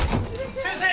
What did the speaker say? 先生！